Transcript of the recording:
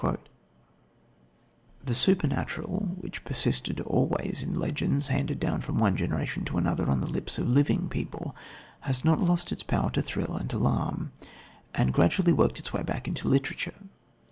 " The supernatural which persisted always in legends handed down from one generation to another on the lips of living people, had not lost its power to thrill and alarm, and gradually worked its way back into literature.